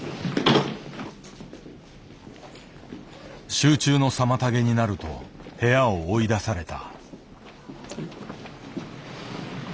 集中の妨げになると部屋を追い出された。